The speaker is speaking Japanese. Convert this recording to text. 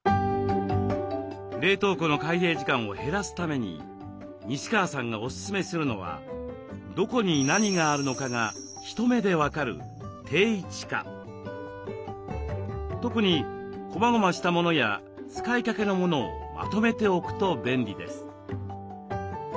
冷凍庫の開閉時間を減らすために西川さんがおすすめするのはどこに何があるのかが一目で分かる特にこまごましたものや使いかけのものをまとめておくと便利です。